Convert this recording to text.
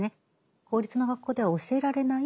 公立の学校では教えられない